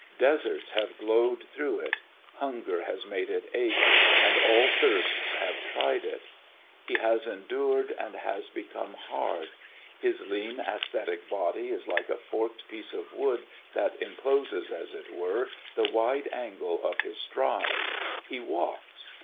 Deserts have glowed through it, hunger has made it ache and all thirsts have tried it. He has endured and has become hard. His lean, ascetic body is like a forked piece of wood that encloses, as it were, the wide angle of his stride. He walks.